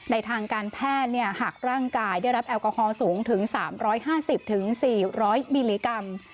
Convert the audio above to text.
ทางการแพทย์หากร่างกายได้รับแอลกอฮอลสูงถึง๓๕๐๔๐๐มิลลิกรัม